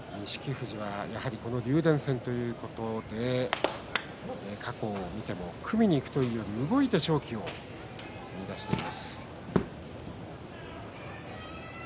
富士は、やはりこの竜電戦ということで過去を見ても組みにいくというより動いて勝機を見いだしています。